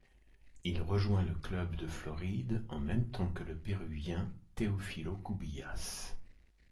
Il rejoint le club de Floride en même temps que le péruvien Teófilo Cubillas.